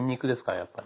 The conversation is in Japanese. やっぱり。